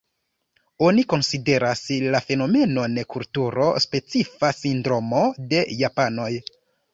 Oni konsideras la fenomenon, kulturo-specifa sindromo de Japanoj.